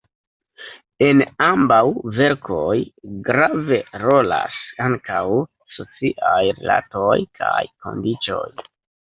En ambaŭ verkoj grave rolas ankaŭ sociaj rilatoj kaj kondiĉoj.